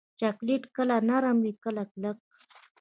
چاکلېټ کله نرم وي، کله کلک.